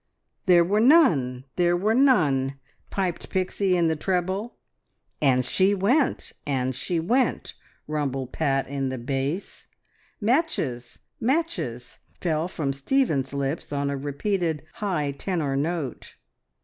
"There were none! there were none!" piped Pixie in the treble. "And she went and she went!" rumbled Pat in the bass. "Matches! Matches!" fell from Stephen's lips, on a repeated high tenor note.